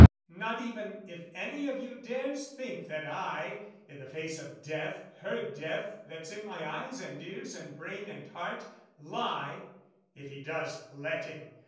not even if any of you Dares think that I, i' the face of death, her death That's in my eyes and ears and brain and heart, Lie, if he does, let him!